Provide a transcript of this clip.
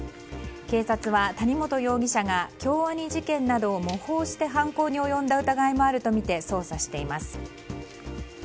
警察は谷本容疑者が京アニ事件などを模倣して犯行に及んだ疑いもあるとみて捜査しています。